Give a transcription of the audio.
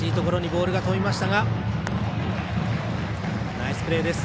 ナイスプレーです。